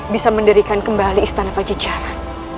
bisa menderikan kembali istana pajajara